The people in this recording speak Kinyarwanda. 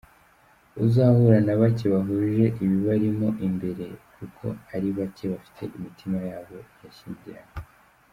Uzahura na bake bahuje ibibarimo imbere, kuko ari bake bafite imitima yabo yashyingiranwe.